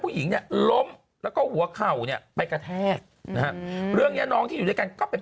ผู้หญิงเนี่ยล้มแล้วก็หัวเข่าเนี่ยไปกระแทกนะฮะเรื่องเนี้ยน้องที่อยู่ด้วยกันก็เป็น